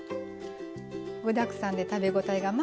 具だくさんで食べ応えが満点。